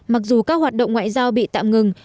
mặc dù các hoạt động ngoại giao bị tạm ngừng